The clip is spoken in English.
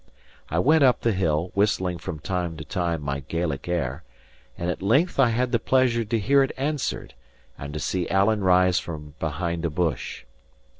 I went up the hill, whistling from time to time my Gaelic air; and at length I had the pleasure to hear it answered and to see Alan rise from behind a bush.